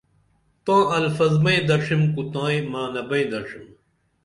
تاں الفظ بئیں دڇِھم کو تائیں معنہ بئیں دڇِھم